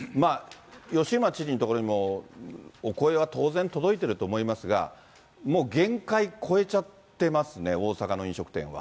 吉村知事のところにも、お声は当然、届いていると思いますが、もう限界超えちゃってますね、大阪の飲食店は。